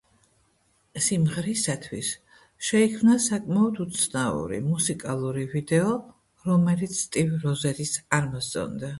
სიმღერისათვის შეიქმნა საკმაოდ უცნაური მუსიკალური ვიდეო, რომელიც სტივ როზერის არ მოსწონდა.